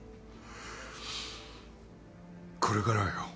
これからはよ